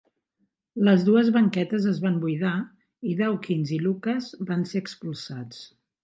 Les dues banquetes es van buidar i Dawkins i Lucas van ser expulsats.